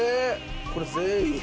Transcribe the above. これ全員。